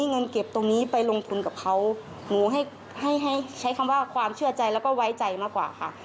เงินเก็บตรงนี้ไปลงทุนกับเขาหนูให้ให้ใช้คำว่าความเชื่อใจแล้วก็ไว้ใจมากกว่าค่ะ